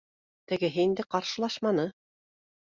Тегеһе инде ҡаршылашманы